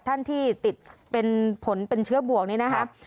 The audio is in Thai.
ท่านที่ติดเป็นผลเป็นเชื้อบวกนี้นะครับ